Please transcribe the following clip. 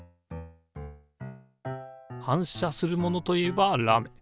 反射するものといえばラメ。